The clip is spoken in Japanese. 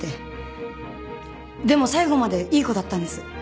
でも最後までいい子だったんです。